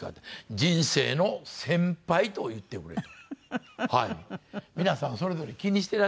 「人生の先輩と言ってくれ」と。